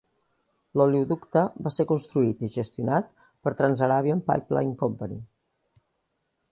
L'oleoducte va ser construït i gestionat per Trans-Arabian Pipeline Company.